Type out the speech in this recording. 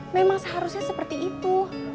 memang seharusnya seperti itu